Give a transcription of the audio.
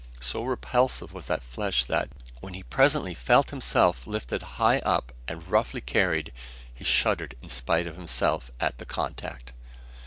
So repulsive was that flesh that, when he presently felt himself lifted high up and roughly carried, he shuddered in spite of himself at the contact.